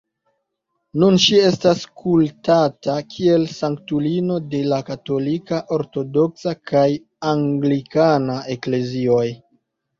Nun ŝi estas kultata kiel sanktulino de la Katolika, Ortodoksa kaj Anglikana Eklezioj.